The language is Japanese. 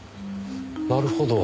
なるほど。